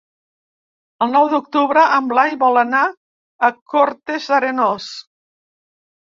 El nou d'octubre en Blai vol anar a Cortes d'Arenós.